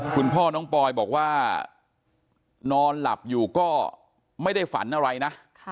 คุณพ่อน้องปอยบอกว่านอนหลับอยู่ก็ไม่ได้ฝันอะไรนะ